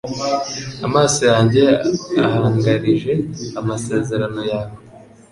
Amaso yanjye ahangarije amasezerano yawe